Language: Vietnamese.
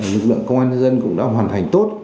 lực lượng công an nhân dân cũng đã hoàn thành tốt